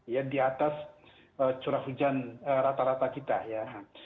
ya di atas curah hujan rata rata kita ya